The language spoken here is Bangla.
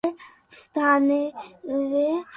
আর তোমার স্থানান্তরে যাইবার প্রয়োজন নাই।